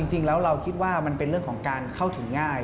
จริงแล้วเราคิดว่ามันเป็นเรื่องของการเข้าถึงง่าย